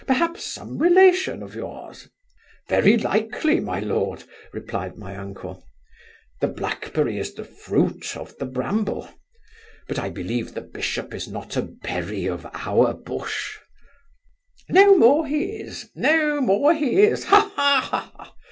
Perhaps some relation of yours' 'Very likely, my lord (replied my uncle); the Blackberry is the fruit of the Bramble But, I believe, the bishop is not a berry of our bush' 'No more he is No more he is, ha, ha, ha!